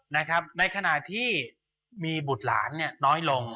ในขณะที่มีบุตรหลานน้อยลง